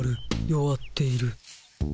弱っている。